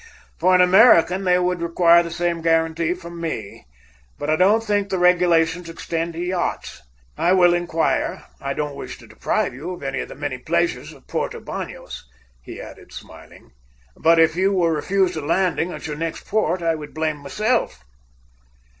For an American they would require the same guarantee from me. But I don't think the regulations extend to yachts. I will inquire. I don't wish to deprive you of any of the many pleasures of Porto Banos," he added, smiling, "but if you were refused a landing at your next port I would blame myself."